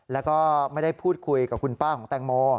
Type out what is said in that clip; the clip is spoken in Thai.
แล้วก็ไม่ได้พูดคุยกับคุณป้าของแตงโม